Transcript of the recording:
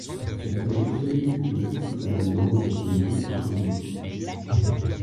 Sont ajoutées les principales alliances de son illustre famille.